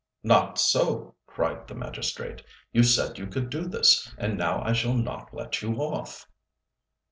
"Not so," cried the magistrate, "you said you could do this, and now I shall not let you off."